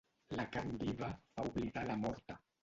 La carn viva fa oblidar la morta.